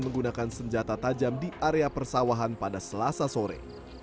menggunakan senjata tajam di area persawahan pada selasa sore